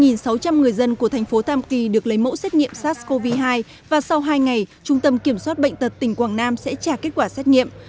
hơn một sáu trăm linh người dân của thành phố tam kỳ được lấy mẫu xét nghiệm sars cov hai và sau hai ngày trung tâm kiểm soát bệnh tật tỉnh quảng nam sẽ trả kết quả xét nghiệm